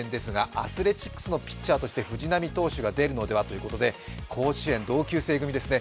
アスレチックスのピッチャーとして藤浪投手が出るのではということで甲子園同級生組ですね。